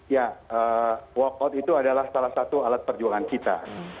ya walkout itu adalah salah satu alat perjuangan kita